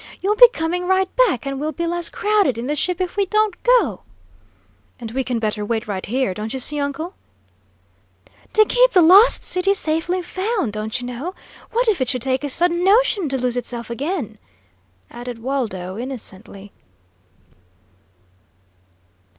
You'll be coming right back, and will be less crowded in the ship if we don't go." "And we can better wait right here; don't you see, uncle?" "To keep the Lost City safely found, don't you know? What if it should take a sudden notion to lose itself again?" added Waldo, innocently.